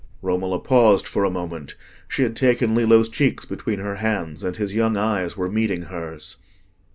Romola paused for a moment. She had taken Lillo's cheeks between her hands, and his young eyes were meeting hers.